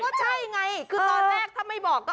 ก็ใช่ไงคือตอนแรกถ้าไม่บอกก็